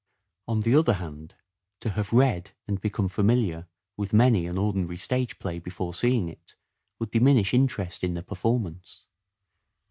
On the other hand, to have read and become familiar with many an ordinary stage play before seeing it would diminish interest in the performance.